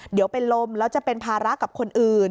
เดี๋ยวเป็นลมแล้วจะเป็นภาระกับคนอื่น